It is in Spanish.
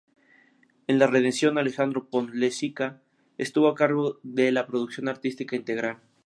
En la reedición Alejandro Pont Lezica estuvo a cargo de la producción artística integral.